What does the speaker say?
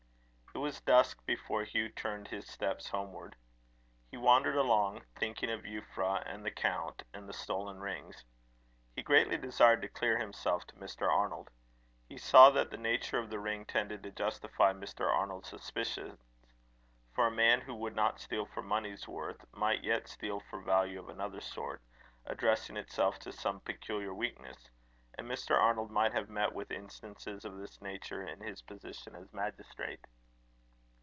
It was dusk before Hugh turned his steps homeward. He wandered along, thinking of Euphra and the Count and the stolen rings. He greatly desired to clear himself to Mr. Arnold. He saw that the nature of the ring tended to justify Mr. Arnold's suspicions; for a man who would not steal for money's worth, might yet steal for value of another sort, addressing itself to some peculiar weakness; and Mr. Arnold might have met with instances of this nature in his position as magistrate.